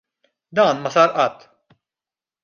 Dan ma sar qatt.